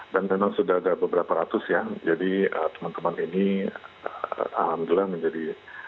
dan memang sudah ada beberapa ratus ya jadi teman teman ini alhamdulillah menjadi